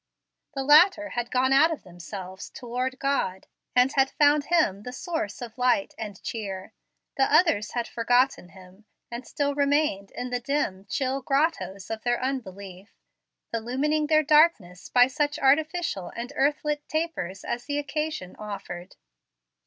The latter had gone out of themselves toward God, and had found Him the source of light and cheer. The others had forgotten Him, and still remained in the dim, chill grottos of their unbelief, illumining their darkness by such artificial and earth lit tapers as the occasion offered.